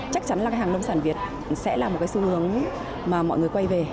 chắc chắn là hàng lông sản việt sẽ là một cái xu hướng mà mọi người quay về